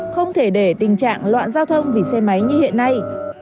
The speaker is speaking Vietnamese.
không thể để tình trạng loạn giao thông vì xe máy như hiện nay